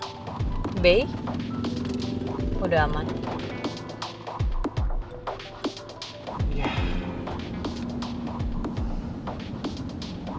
selain ngebusu berada di hadian belakang tempat ini